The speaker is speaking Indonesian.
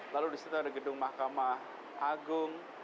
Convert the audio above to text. lalu di situ ada gedung mahkamah agung